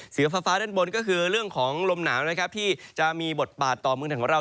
ฟ้าด้านบนก็คือเรื่องของลมหนาวนะครับที่จะมีบทบาทต่อเมืองไทยของเรา